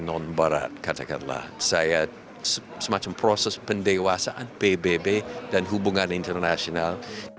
non barat katakanlah saya semacam proses pendewasaan pbb dan hubungan internasional